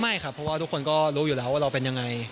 ไม่ครับเพราะว่าทุกคนก็รู้อยู่แล้วว่าเราเป็นยังไง